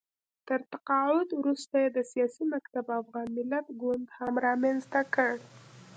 تر تقاعد وروسته یې د سیاسي مکتب افغان ملت ګوند هم رامنځته کړ